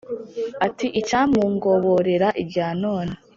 ati: “icyamungoborera irya none